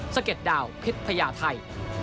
สเกดดาวพิธพยาไทย